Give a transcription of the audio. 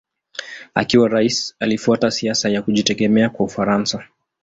Akiwa rais alifuata siasa ya kujitegemea kwa Ufaransa.